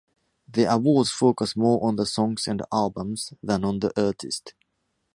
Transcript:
The awards focus more on the songs and albums than on the artist.